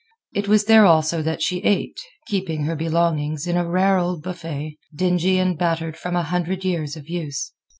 It was there also that she ate, keeping her belongings in a rare old buffet, dingy and battered from a hundred years of use.